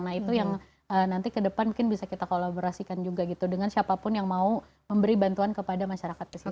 nah itu yang nanti ke depan mungkin bisa kita kolaborasikan juga gitu dengan siapapun yang mau memberi bantuan kepada masyarakat pesisir